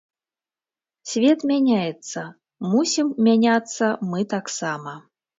Свет мяняецца, мусім мяняцца мы таксама.